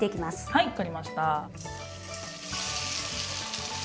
はい分かりました。